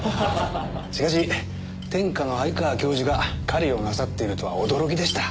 しかし天下の鮎川教授が狩りをなさっているとは驚きでした。